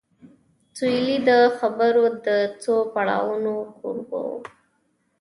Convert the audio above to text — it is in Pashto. سولې د خبرو د څو پړاوونو کوربه و